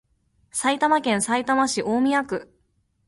埼玉県さいたま市大宮区